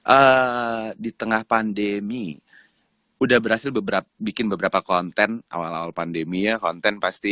ah ditengah pandemi udah berhasil beberapa bikin beberapa konten awal awal pandemiyah konten pasti